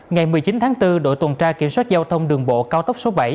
ngày một mươi chín tháng bốn đội tuần tra kiểm soát giao thông đường bộ cao tốc số bảy